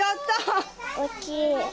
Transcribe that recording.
おっきい。